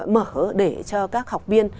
mở để cho các học viên